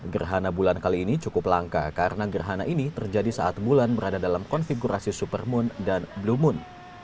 gerhana bulan kali ini cukup langka karena gerhana ini terjadi saat bulan berada dalam konfigurasi supermoon dan blue moon